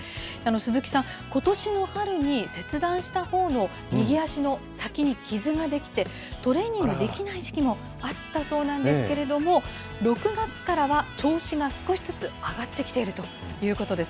鈴木さん、ことしの春に、切断したほうの右足の先に傷が出来て、トレーニングできない時期もあったそうなんですけれども、６月からは調子が少しずつ上がってきているということです。